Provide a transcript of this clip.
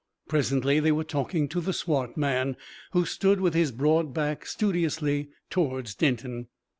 Presently they were talking to the swart man, who stood with his broad back studiously towards Denton.